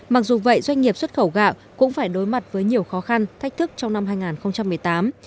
mặc dù vậy doanh nghiệp xuất khẩu gạo cũng phải đối mặt với nhiều khó khăn thách thức trong năm hai nghìn một mươi tám